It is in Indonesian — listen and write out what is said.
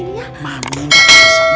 jangan yang ini ya